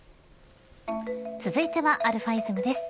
続いてはαｉｓｍです。